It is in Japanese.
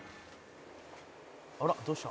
「あら？どうした？」